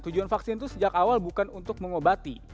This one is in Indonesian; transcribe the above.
tujuan vaksin itu sejak awal bukan untuk mengobati